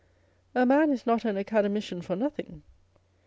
A man is not an Academi cian for nothing.